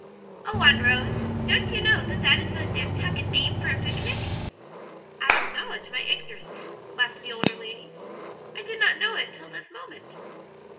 "Oh, Aunt Rose, don't you know that that is the Nantucket name for a picnic?" "I acknowledge my ignorance," laughed the older lady; "I did not know it till this moment."